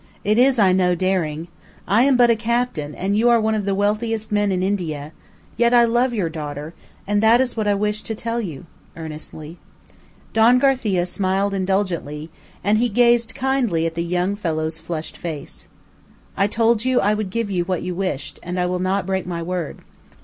It is, I know, daring. I am but a captain, and you are one of the wealthiest men in India; yet I love your daughter, and that is what I wished to tell you," earnestly. Don Garcia smiled indulgently, and he gazed kindly at the young fellow's flushed face. "I told you I would give you what you wished, and I will not break my word.